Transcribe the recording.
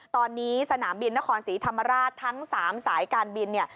ตอนนี้สนามบินนครศรีธรรมราชทั้ง๓สายการบินเนี่ย